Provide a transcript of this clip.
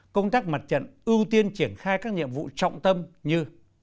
công tác mặt trận ưu tiên triển khai các nhiệm vụ trọng tâm như